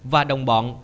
và đồng bọn